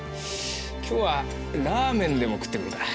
今日はラーメンでも食ってみるか。